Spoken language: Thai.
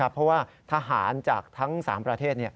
เพราะว่าทหารจากทั้ง๓ประเทศ